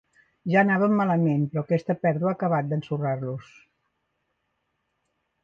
Ja anaven malament, però aquesta pèrdua ha acabat d'ensorrar-los.